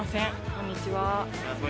こんにちは。